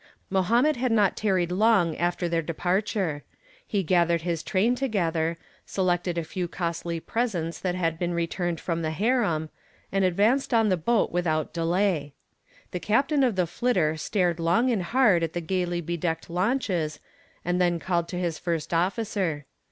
Mohammed had not tarried long after their departure. He gathered his train together, selected a few costly presents that had been returned from the harem and advanced on the boat without delay. The captain of the "Flitter" stared long and hard at the gaily bedecked launches and then called to his first officer.